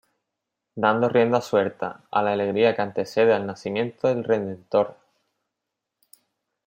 Dando rienda suelta a la alegría que antecede al nacimiento del Redentor.